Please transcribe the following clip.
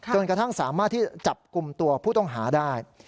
จนกระทั่งสามารถที่จับกลุ่มตัวผู้ต้องหาได้